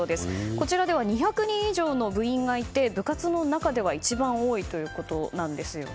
こちらでは２００人以上の部員がいて、部活の中では一番多いということなんです。